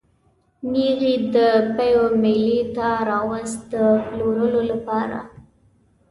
نېغ یې د پېوې مېلې ته راوست د پلورلو لپاره.